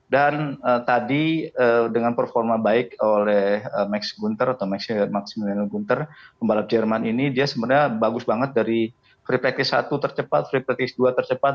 dan tadi dengan performa baik oleh max gunther atau maxi maximilian gunther pembalap jerman ini dia sebenarnya bagus banget dari free practice satu tercepat free practice dua tercepat